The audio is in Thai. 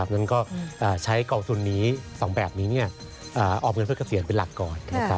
นั้นก็ใช้กองทุนนี้๒แบบนี้ออมเงินเพื่อเกษียณเป็นหลักก่อน